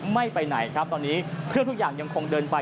ไม่ไปไหนครับตอนนี้เครื่องทุกอย่างยังคงเดินไป